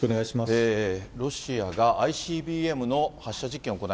ロシアがＩＣＢＭの発射実験